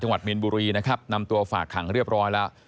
วัดมีนบุรีนะครับนำตัวฝากขังเรียบร้อยแล้ว